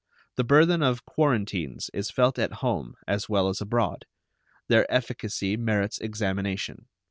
The burthen of quarantines is felt at home as well as abroad; their efficacy merits examination.